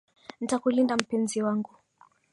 Ntakulinda mpenzi wangu.